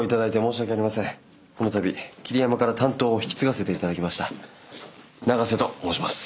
この度桐山から担当を引き継がせていただきました永瀬と申します。